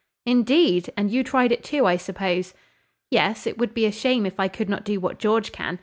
"Indeed! and you tried it too, I suppose?" "Yes; it would be a shame if I could not do what George can.